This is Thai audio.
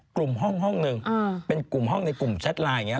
กลุ่มห้องนึงเป็นกลุ่มห้องในกลุ่มแชทไลน์